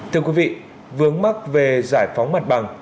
thưa quý vị vướng mắc về giải phóng mặt bằng